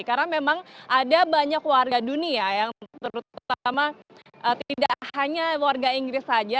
karena memang ada banyak warga dunia yang terutama tidak hanya warga inggris saja